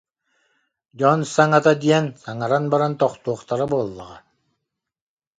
Дьон саҥата диэн, саҥаран баран тохтуохтара буоллаҕа